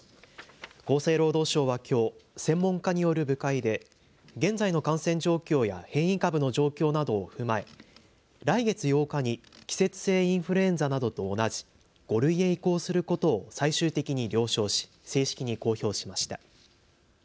厚生労働省はきょう専門家による部会で現在の感染状況や変異株の状況などを踏まえ来月８日に季節性インフルエンザなどと同じ５類へ移行することを最終的に了承し正式に公表しました。